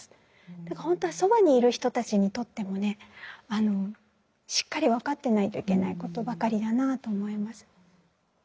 だから本当はそばにいる人たちにとってもねしっかり分かってないといけないことばかりだなと思います。